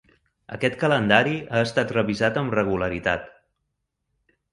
Aquest calendari ha estat revisat amb regularitat.